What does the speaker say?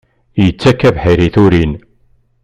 Yettak abeḥri i turin!